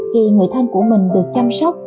khi người thân của mình được chăm sóc